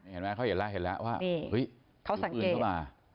เห็นไหมเขาเห็นแล้วเห็นแล้วว่าเฮ้ยเขาใส่ปืนเข้ามา